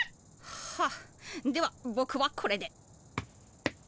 はあではぼくはこれで。